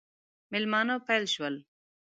مېلمانه پیل شول.